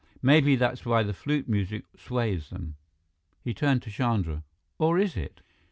Maybe that's why the flute music sways them." He turned to Chandra. "Or is it?"